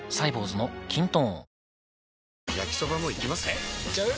えいっちゃう？